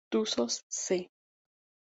Tuzos "C"